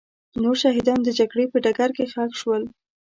نور شهیدان د جګړې په ډګر کې ښخ شول.